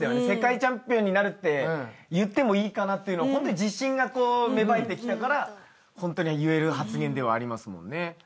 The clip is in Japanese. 世界チャンピオンになるって言ってもいいかなっていうのホントに自信が芽生えてきたから言える発言ではありますもんね。